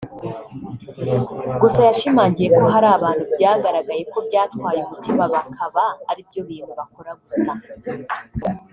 Gusa yashimangiye ko hari abantu byagaragaye ko byatwaye umutima bakaba ari byo bintu bakora gusa